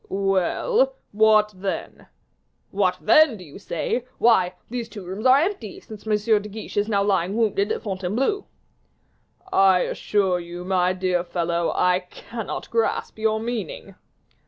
"Well; what then?" "'What then,' do you say? Why, these two rooms are empty, since M. de Guiche is now lying wounded at Fontainebleau." "I assure you, my dear fellow, I cannot grasp your meaning."